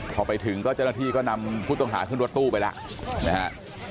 พอไปถึงก็เจ้าหน้าที่ก็นำผู้ต้องหาขึ้นรถตู้ไปแล้วนะฮะ